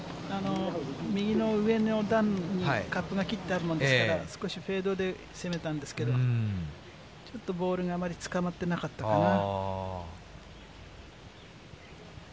右の上の段にカップが切ってあるもんですから、少しフェードで攻めたんですけど、ちょっとボールがあまりつかまってなかったかな。